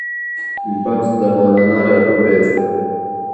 بلخ د مولانا ټاټوبی دی